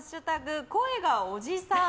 声がおじさん」。